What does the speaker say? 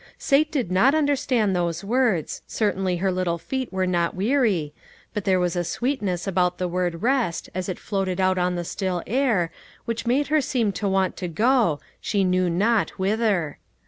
Sate did not understand those words, certainly her little feet were not weary, but there was a sweetness about the word " rest " as it floated out on the still air, which made her seem to want to go, she knew not whither.